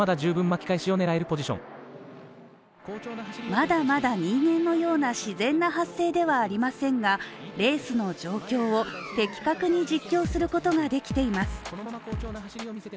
まだまだ人間のような自然な発声ではありませんが、レースの状況を的確に実況することができています。